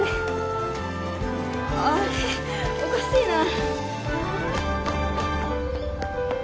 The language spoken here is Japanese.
おかしいな